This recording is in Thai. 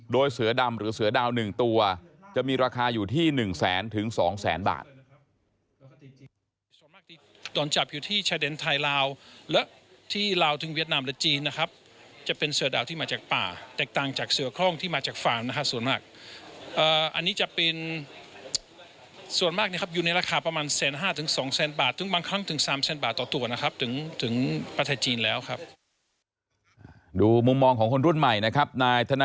โดยเสือดำหรือเสือดาว๑ตัวจะมีราคาอยู่ที่๑แสนถึง๒แสนบาท